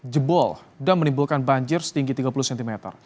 jebol dan menimbulkan banjir setinggi tiga puluh cm